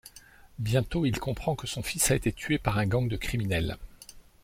Bientôt, il comprend que son fils a été tué par un gang de criminels.